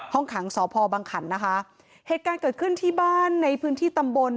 ห้องขังสพบังขันนะคะเหตุการณ์เกิดขึ้นที่บ้านในพื้นที่ตำบล